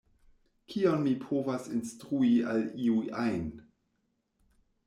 Kion mi povas instrui al iu ajn?